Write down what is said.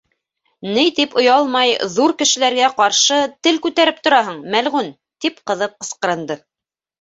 Ни тип оялмай ҙур кешеләргә ҡаршы тел күтәреп тораһың, мәлғүн! — тип ҡыҙып ҡысҡырынды.